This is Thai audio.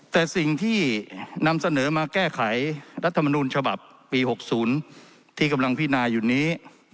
แต่สิ่งที่นำเสนอมาแก้ไขรัฐมนูลฉบับปี๖๐ที่กำลังพินาอยู่นี้